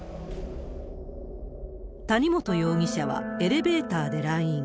谷本容疑者はエレベーターで来院。